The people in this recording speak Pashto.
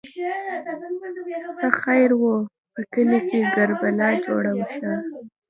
ـ څه خیر وو، په کلي کې کربلا جوړه شوه.